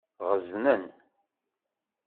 Ɣeẓnen.